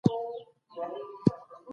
د کور یاد به مو ځوروي.